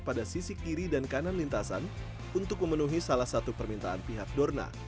pada sisi kiri dan kanan lintasan untuk memenuhi salah satu permintaan pihak dorna